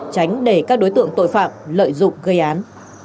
tránh để các đối tượng tội phạm lợi dụng gây án